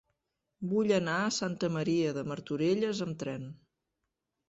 Vull anar a Santa Maria de Martorelles amb tren.